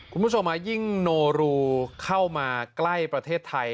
คุณผู้ชมยิ่งโนรูเข้ามาใกล้ประเทศไทย